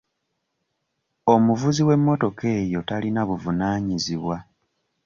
Omuvuzi w'emmotoka eyo talina buvunaanyizibwa.